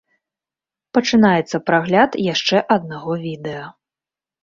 Пачынаецца прагляд яшчэ аднаго відэа.